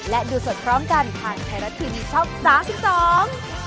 และดูสดพร้อมกันผ่านแทรกทีวีช่อง๓๒